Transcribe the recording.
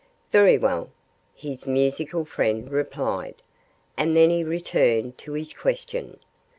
"Very well!" his musical friend replied. And then he returned to his question.